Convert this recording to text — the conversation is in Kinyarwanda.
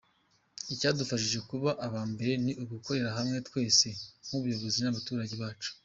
Icyadufashije kuba aba mbere ni ugukorera hamwe twese nk’ubuyobozi n’abaturage bacu.